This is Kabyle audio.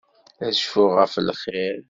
Ad cfuɣ ɣef lxir.